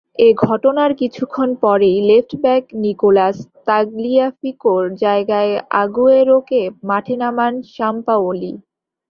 এ ঘটনার কিছুক্ষণ পরেই লেফটব্যাক নিকোলাস তাগলিয়াফিকোর জায়গায় আগুয়েরোকে মাঠে নামান সাম্পাওলি।